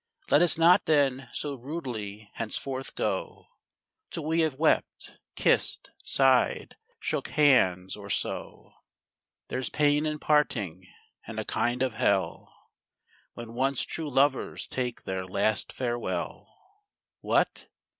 Let us not then so rudely henceforth go Till we have wept, kiss'd, sigh'd, shook hands, or so. There's pain in parting, and a kind of hell When once true lovers take their last farewell. What?